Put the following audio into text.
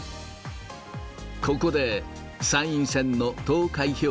ここで参院選の投開票